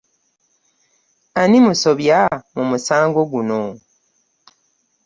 Ani musobya mu musango guno.